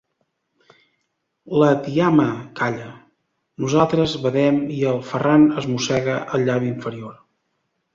La tiama calla, nosaltres badem i el Ferran es mossega el llavi inferior.